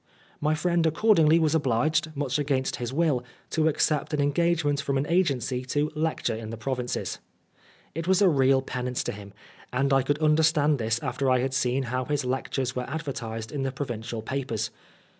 My friend accordingly was obliged, much against his will, Oscar Wilde to accept an engagement from an agency to lecture in the provinces. It was a real penance to him, and I could understand this after I had seen how his lectures were advertised in the provincial papers.